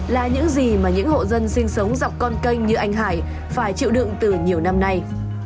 là những gì mà những hộ dân sinh sống dọc con canh như anh hải phải chịu đựng từ nhiều năm nay